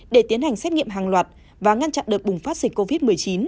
để tiến hành xét nghiệm hàng loạt và ngăn chặn đợt bùng phát dịch covid một mươi chín